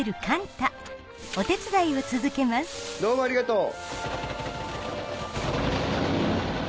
どうもありがとう。